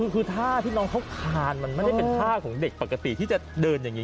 คือท่าที่น้องเขาคานมันไม่ได้เป็นท่าของเด็กปกติที่จะเดินอย่างนี้